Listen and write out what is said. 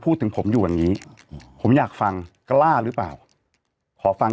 พูดถึงผมอยู่อย่างนี้ผมอยากฟังกล้าหรือเปล่าขอฟัง